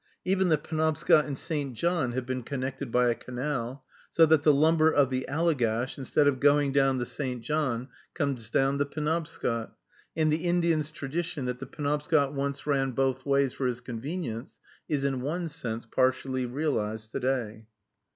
Even the Penobscot and St. John have been connected by a canal, so that the lumber of the Allegash, instead of going down the St. John, comes down the Penobscot; and the Indian's tradition, that the Penobscot once ran both ways for his convenience, is, in one sense, partially realized to day.